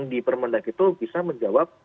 di permendak itu bisa menjawab